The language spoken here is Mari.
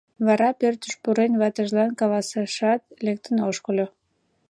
Вара, пӧртыш пурен, ватыжлан каласышат, лектын ошкыльо.